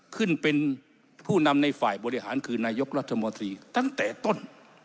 ขึ้นเป็นผู้นำในฝ่ายบริหารคือนายกรัฐมนตรีตั้งแต่ต้น